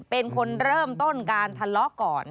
เป็นคนเริ่มต้นการทะเลาะก่อน